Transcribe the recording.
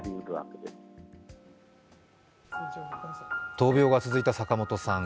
闘病が続いた坂本さん。